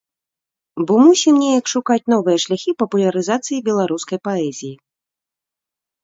Бо мусім неяк шукаць новыя шляхі папулярызацыі беларускай паэзіі.